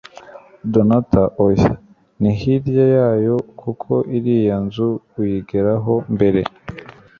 donata oya, ni hirya yayo kuko iriya nzu uyigeraho mbere